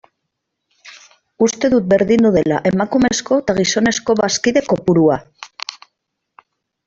Uste dut berdindu dela emakumezko eta gizonezko bazkide kopurua.